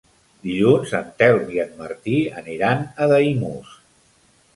Dilluns en Telm i en Martí aniran a Daimús.